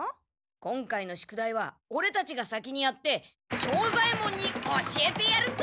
今回の宿題はオレたちが先にやって庄左ヱ門に教えてやるんだ！